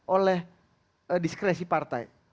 oleh diskresi partai